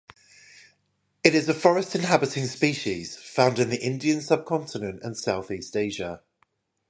It is a forest-inhabiting species found in the Indian Subcontinent and Southeast Asia.